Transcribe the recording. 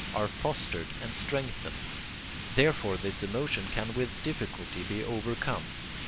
are fostered and strengthened; therefore this emotion can with difficulty be overcome.